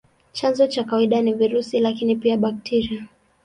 Chanzo cha kawaida ni virusi, lakini pia bakteria.